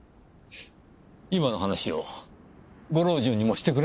今の話をご老中にもしてくれるな？